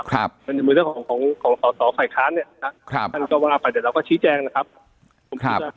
เหมือนกับของสหภัยคล้านเนี่ยท่านก็วางออกไปเดี๋ยวเราก็ชี้แจกนะครับ